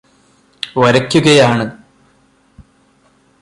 വരയ്ക്കുകയാണ്